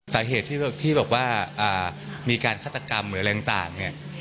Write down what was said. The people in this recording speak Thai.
สาเหตุที่บอกว่ามีการฆาตกรรมหรืออะไรต่างเนี่ย